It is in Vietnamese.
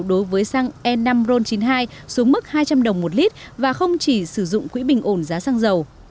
đối với xăng e năm ron chín mươi hai xuống mức hai trăm linh đồng một lít và không chỉ sử dụng quỹ bình ổn giá xăng dầu